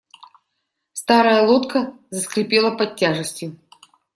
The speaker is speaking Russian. Старая лодка заскрипела под тяжестью.